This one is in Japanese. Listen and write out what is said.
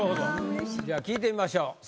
では聞いてみましょう。